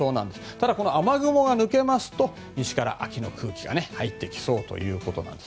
ただ、雨雲が抜けますと西から秋の空気が入ってきそうです。